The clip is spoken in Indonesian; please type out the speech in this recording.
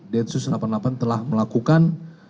densus delapan puluh delapan telah melakukan